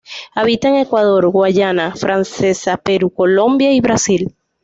Habita en Ecuador, Guayana Francesa, Perú Colombia y Brasil.